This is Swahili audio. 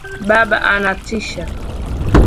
Baba anatisha